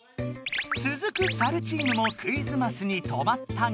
つづくサルチームもクイズマスに止まったが。